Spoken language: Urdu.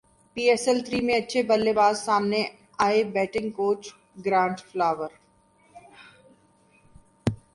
پی ایس ایل تھری میں اچھے بلے باز سامنے ائے بیٹنگ کوچ گرانٹ فلاور